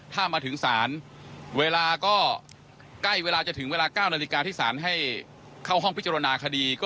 ถ้ามาถึงศาลเวลาก็ใกล้เวลาจะถึงเวลา๙นาฬิกาที่สารให้เข้าห้องพิจารณาคดี